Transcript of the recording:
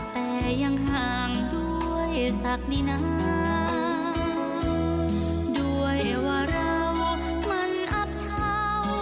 แต่ยังห่างด้วยสักดีนะด้วยว่าเรามันอับเช้า